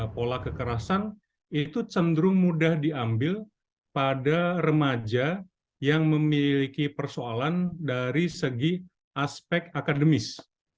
pola kekerasan itu cenderung mudah diambil pada remaja yang memiliki persoalan dari segi aspek akademis